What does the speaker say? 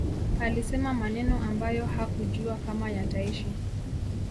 alisema maneno ambayo hakujua kama yataishi